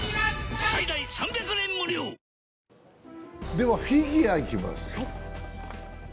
では、フィギュアいきます。